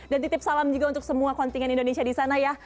dan titip salam juga untuk semua kontingen indonesia di sana ya